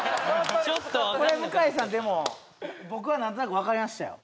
これ向井さんでも僕は何となく分かりましたよ